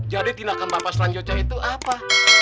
jadi tindakan bapak selanjoca itu apa